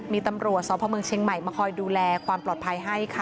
มีตำรวจสพเมืองเชียงใหม่มาคอยดูแลความปลอดภัยให้ค่ะ